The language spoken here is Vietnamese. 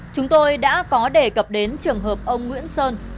chúng tôi đã có đề cập đến trường hợp ông nguyễn sơn